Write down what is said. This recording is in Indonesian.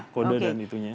kode dan itunya